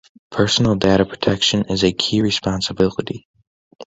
Personal data protection is a key responsibility.